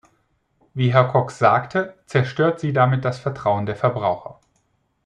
Wie Herr Cox sagte, zerstört sie damit das Vertrauen der Verbraucher.